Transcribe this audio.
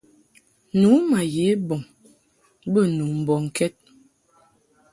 Nu ma ye bɔŋ bə nu mbɔŋkɛd.